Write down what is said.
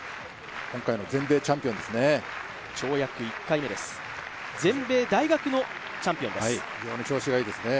今回の全米チャンピオンですね。